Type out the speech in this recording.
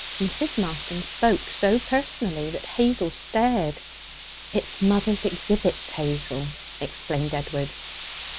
Mrs. Marston spoke so personally that Hazel stared. 'It's mother's exhibits, Hazel,' explained Edward.